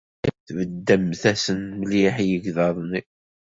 Tbeddemt-asen mliḥ i yegḍaḍ-nni.